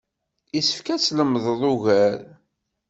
Isefk ad tlemdeḍ ugar.